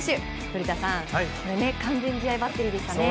古田さん完全試合バッテリーでしたね。